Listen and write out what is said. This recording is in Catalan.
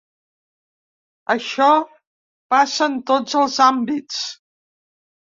Això passa en tots els àmbits.